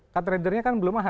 kartradernya kan belum ada